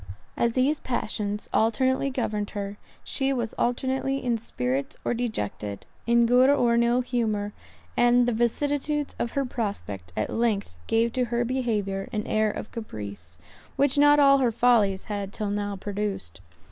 As these passions alternately governed her, she was alternately in spirits or dejected; in good or in ill humour; and the vicissitudes of her prospect at length gave to her behaviour an air of caprice, which not all her follies had till now produced.